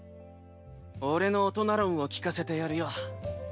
俺の大人論を聞かせてやるよ。